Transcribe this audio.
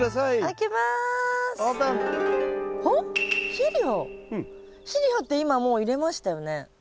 肥料って今もう入れましたよね？